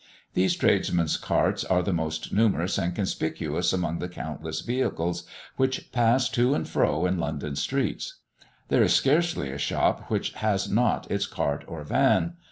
These tradesmen's carts are the most numerous and conspicuous among the countless vehicles, which pass to and fro in London streets. There is scarcely a shop which has not its cart or van.